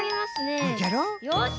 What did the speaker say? よし。